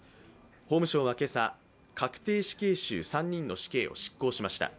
法務省は今朝、確定死刑囚３人の死刑を執行しました。